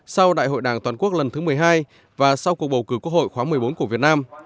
sau đại hội đảng toàn quốc lần thứ một mươi hai và sau cuộc bầu cử quốc hội khóa một mươi bốn của việt nam